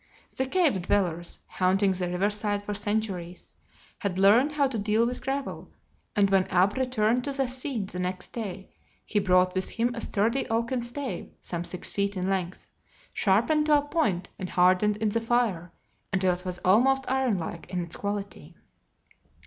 The cave dwellers, haunting the river side for centuries, had learned how to deal with gravel, and when Ab returned to the scene the next day he brought with him a sturdy oaken stave some six feet in length, sharpened to a point and hardened in the fire until it was almost iron like in its quality.